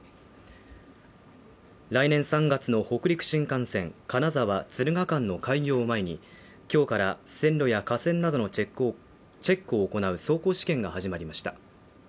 来年３月の北陸新幹線金沢−敦賀間の開業を前に今日から線路や架線などのチェックを行う走行試験が始まりました